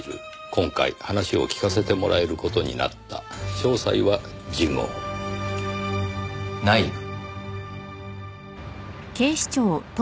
「今回話を聞かせてもらえる事になった」「詳細は次号」内部。